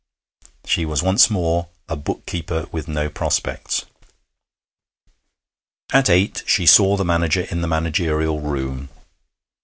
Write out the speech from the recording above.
She was once more a book keeper with no prospects. At eight she saw the manager in the managerial room.